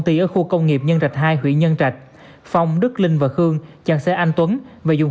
ti ở khu công nghiệp nhân trạch hai huyện nhân trạch phong đức linh và khương chặn xe anh tuấn và dùng